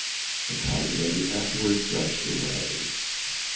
The powder may be afterwards brushed away.